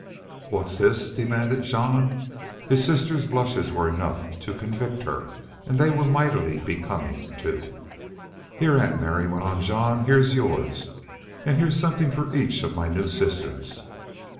"What's this?" demanded Jean. His sister's blushes were enough to convict her, and they were mightily becoming, too. "Here, Aunt Mary," went on Jean, "here's yours, an' here's somethin' for each of my new sisters."